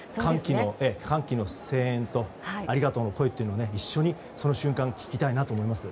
歓喜の声援とありがとうの声を一緒にその瞬間を聞きたいと思います。